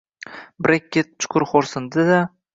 Brekket chuqur xo`rsindi-da